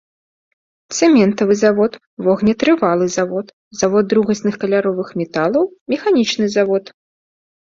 Цэментавы завод, вогнетрывалы завод, завод другасных каляровых металаў, механічны завод.